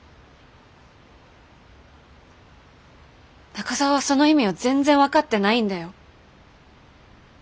中澤はその意味を全然分かってないんだよ。